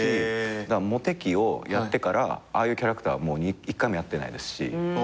『モテキ』をやってからああいうキャラクター一回もやってないですし。